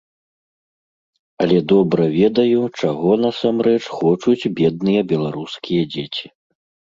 Але добра ведаю, чаго насамрэч хочуць бедныя беларускія дзеці.